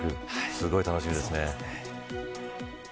すごく楽しみです。